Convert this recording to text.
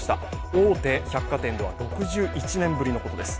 大手百貨店では６１年ぶりのことです。